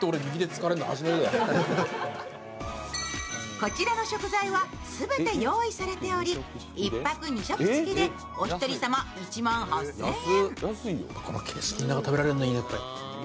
こちらの食材は全て用意されており、１泊２食つきでお１人様１万８０００円。